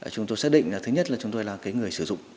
chúng tôi xác định thứ nhất là chúng tôi là người sử dụng